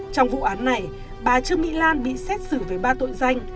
trong vụ án này bà trương mỹ lan bị xét xử với ba tội danh